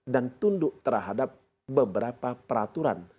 dan tunduk terhadap beberapa peraturan